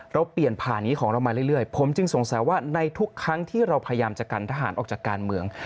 เราเปลี่ยนผ่านนี้ของเรามาเรื่อยผมจึงสงสัยว่าในทุกครั้งที่เราพยายามจะกันทหารออกจากการเมือง